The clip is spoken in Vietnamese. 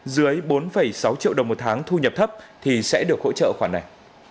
dưới bốn sáu triệu đồng một tháng thu nhập thấp thì sẽ được hỗ trợ khoản này